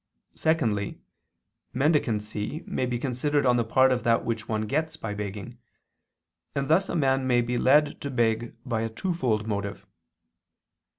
Secondly, mendicancy may be considered on the part of that which one gets by begging: and thus a man may be led to beg by a twofold motive.